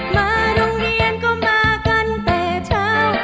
มาโรงเรียนก็มากันแต่เช้า